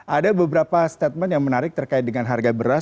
ada beberapa statement yang menarik terkait dengan harga beras